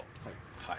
はい。